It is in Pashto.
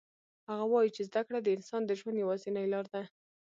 هغه وایي چې زده کړه د انسان د ژوند یوازینی لار ده